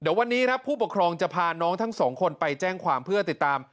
เดี๋ยววันนี้ครับผู้ปกครองจะพาน้องทั้งสองคนไปแจ้งความเพื่อติดตาม